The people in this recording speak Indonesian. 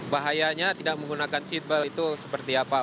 bahayanya tidak menggunakan seatbelt itu seperti apa